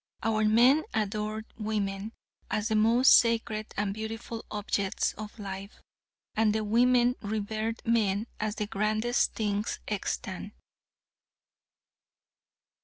Our men adored women as the most sacred and beautiful objects of life; the women revered men as the grandest things extant.